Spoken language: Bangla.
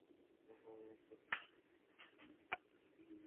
আমারও ভয় করছে, মলি।